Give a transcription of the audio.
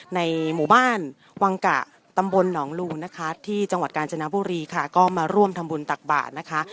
ในหมู่บ้านวังกะตำบลหนองลูนะคะที่จังหวัดกาญจนบุรีค่ะก็มาร่วมทำบุญตักบาทนะคะ